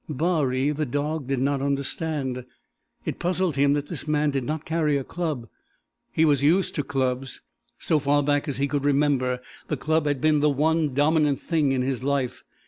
Baree, the dog, did not understand. It puzzled him that this man did not carry a club. He was used to clubs. So far back as he could remember the club had been the one dominant thing in his life.